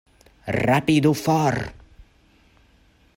Rapidu, for!